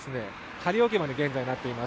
仮置き場に、現在なっています。